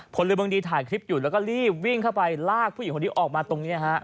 พลเมืองดีถ่ายคลิปอยู่แล้วก็รีบวิ่งเข้าไปลากผู้หญิงคนนี้ออกมาตรงนี้ฮะ